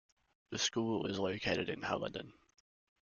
The school is located in Haledon.